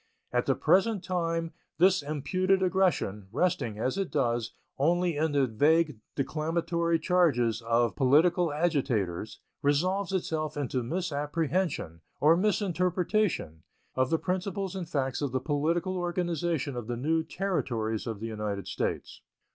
At the present time this imputed aggression, resting, as it does, only in the vague declamatory charges of political agitators, resolves itself into misapprehension, or misinterpretation, of the principles and facts of the political organization of the new Territories of the United States.